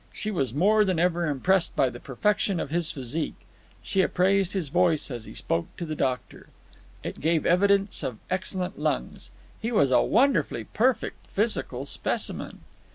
She was more than ever impressed by the perfection of his physique. She appraised his voice as he spoke to the doctor. It gave evidence of excellent lungs. He was a wonderfully perfect physical specimen.